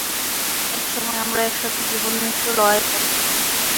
এক সময় আমরা একসাথে জীবন-মৃত্যুর লড়াই করতাম।